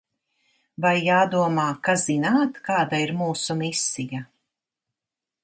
Vai jādomā, ka zināt, kāda ir mūsu misija?